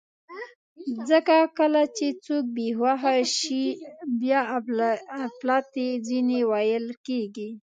ځکه کله چې څوک بېهوښه شي، بیا اپلتې ځینې ویل کېږي.